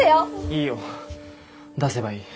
いいよ出せばいい。